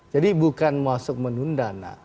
jadi bukan masuk menunda